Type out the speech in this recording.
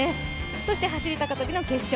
そして走高跳の決勝。